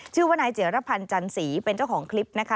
ชื่อว่านายเจียรพันธ์จันสีเป็นเจ้าของคลิปนะคะ